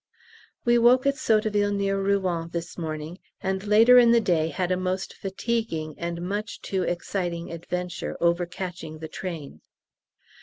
We woke at Sotteville near Rouen this morning, and later in the day had a most fatiguing and much too exciting adventure over catching the train.